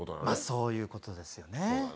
そういうことですよね。